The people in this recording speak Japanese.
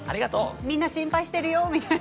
みんな心配しているよ。